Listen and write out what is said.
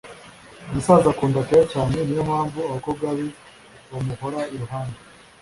Umusaza akunda care cyane niyo mpamvu abakobwa be bamuhora iruhande